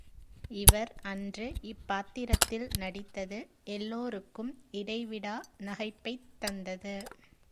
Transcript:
இவர் அன்று இப்பாத்திரத்தில் நடித்தது எல்லோருக்கும் இடைவிடா நகைப்பைத் தந்தது.